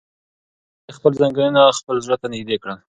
هیلې خپل زنګونونه خپل زړه ته نږدې کړل.